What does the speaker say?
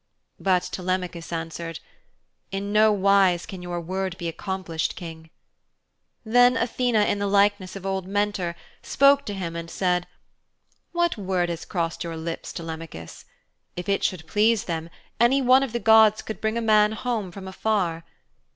But Telemachus answered, 'In no wise can your word be accomplished, King.' Then Athene, in the likeness of old Mentor, spoke to him and said, 'What word has crossed your lips, Telemachus? If it should please them, any one of the gods could bring a man home from afar.